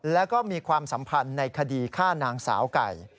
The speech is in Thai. แล้วก็มีความสัมพันธ์ในคดีฆ่านางสาวไก่